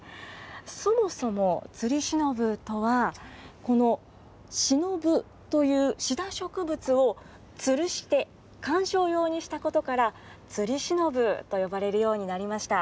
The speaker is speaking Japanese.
そもそもつりしのぶとは、このシノブというシダ植物をつるして、観賞用にしたことから、つりしのぶと呼ばれるようになりました。